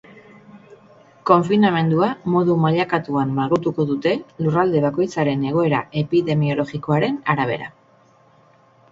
Konfinamendua modu mailakatuan malgutuko dute, lurralde bakoitzaren egoera epidemiologikoaren arabera.